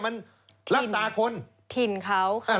รับตากล้องคนฆ่าเขาครับผม